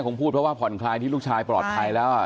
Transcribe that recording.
คงพูดเพราะว่าผ่อนคลายที่ลูกชายปลอดภัยแล้ว